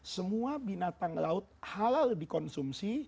semua binatang laut halal dikonsumsi